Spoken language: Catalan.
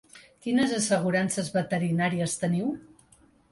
Quines assegurances veterinàries teniu?